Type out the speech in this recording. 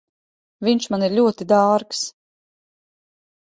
Viņš man ir ļoti dārgs.